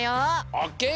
オッケー！